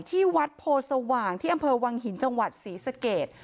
ที่วัดโพสว่างที่อำเภอวังหินจังหวัดศรีสเกต